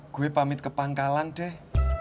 gue pamit ke pangkalan deh